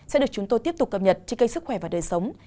sẽ được chúng tôi tiếp tục cập nhật trên kênh sức khỏe và đời sống